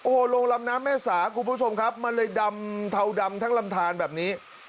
โอ้โหลงลำน้ำแม่สาคุณผู้ชมครับมันเลยดำเทาดำทั้งลำทานแบบนี้